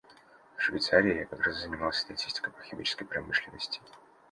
В Швейцарии я как раз занимался статистикой по химической промышленности.